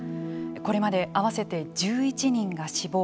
これまで合わせて１１人が死亡。